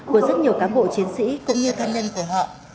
của rất nhiều cán bộ chiến sĩ cũng như thân nhân của họ